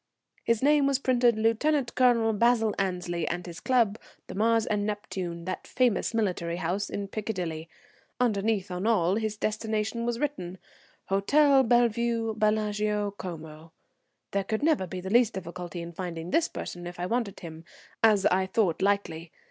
His name was printed "Lieut. Col. Basil Annesley," and his club, the Mars and Neptune, that famous military house in Piccadilly. Underneath, on all, his destination was written, "Hotel Bellevue, Bellagio, Como." There could never be the least difficulty in finding this person if I wanted him, as I thought likely.